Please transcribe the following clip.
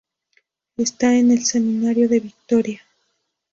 Está en el seminario de Vitoria.